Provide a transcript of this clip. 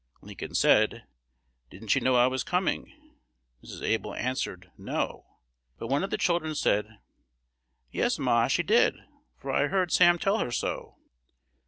Lincoln said, "Didn't she know I was coming?" Mrs. Able answered, "No;" but one of the children said, "Yes, ma, she did, for I heard Sam tell her so."